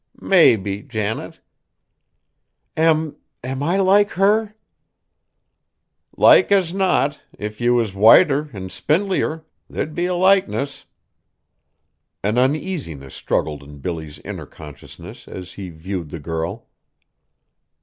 "Maybe, Janet." "Am am I like her?" "Like as not, if ye was whiter an' spindlin'er, there'd be a likeness." An uneasiness struggled in Billy's inner consciousness as he viewed the girl.